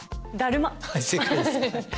はい、正解です。